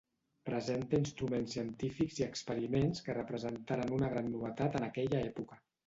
Presenta instruments científics i experiments que representaren una gran novetat en aquella època.